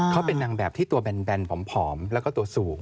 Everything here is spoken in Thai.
เขาเป็นนางแบบที่ตัวแบนผอมแล้วก็ตัวสูง